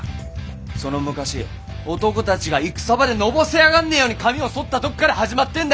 その昔男たちが戦場でのぼせ上がんねえように髪をそったとこから始まってんだ！